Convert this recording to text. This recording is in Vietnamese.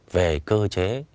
về cơ chế